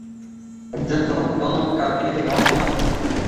একজন গণৎকারকে দেখালে কেমন হয়?